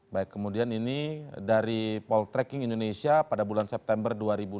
baik kemudian ini dari poltreking indonesia pada bulan september dua ribu enam belas